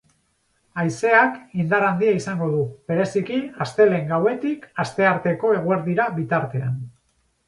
Haizeak indar handia izango du, bereziki, astelehen gauetik astearteko eguerdira bitartean.